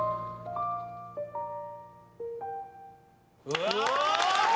うわ！